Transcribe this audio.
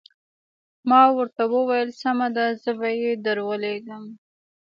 ما ورته وویل سمه ده زه به یې درولېږم.